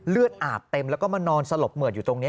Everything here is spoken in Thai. เลือดอาบเต็มแล้วก็มานอนสลบเหมือดอยู่ตรงนี้